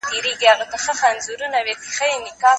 دی قرنطین دی په حجره کي